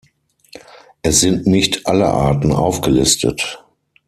Es sind nicht alle Arten aufgelistet.